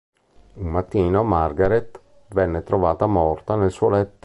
Un mattino Margarete viene trovata, morta, nel suo letto.